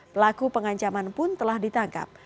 pelaku pengancaman pun telah ditangkap